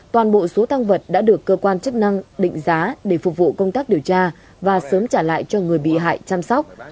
toàn bộ số tăng vật đã được cơ quan chức năng định giá để phục vụ công tác điều tra và sớm trả lại cho người bị hại chăm sóc